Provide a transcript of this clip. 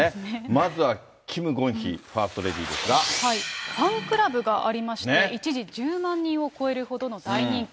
まずはキム・ゴンヒファーストレファンクラブがありまして、一時１０万人を超えるほどの大人気。